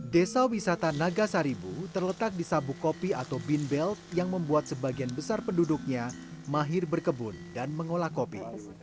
desa wisata nagasaribu terletak di sabuk kopi atau bin belt yang membuat sebagian besar penduduknya mahir berkebun dan mengolah kopi